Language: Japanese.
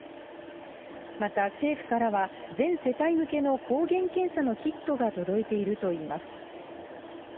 また政府からは、全世帯向けの抗原検査のキットが届いているといいます。